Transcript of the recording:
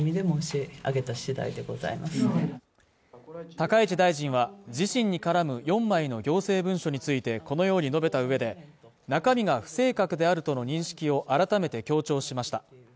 高市大臣は、自身に絡む４枚の行政文書についてこのように述べた上で中身が不正確であるとの認識を改めて強調しました。